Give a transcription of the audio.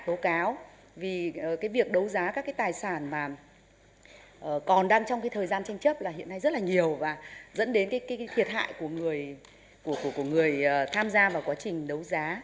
tố cáo vì cái việc đấu giá các cái tài sản mà còn đang trong cái thời gian tranh chấp là hiện nay rất là nhiều và dẫn đến cái thiệt hại của người tham gia vào quá trình đấu giá